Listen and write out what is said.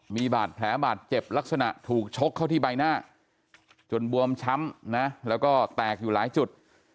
มีบาดแผลบาดเจ็บลักษณะถูกชกเข้าที่ใบหน้าจนบวมช้ำนะแล้วก็แตกอยู่หลายจุด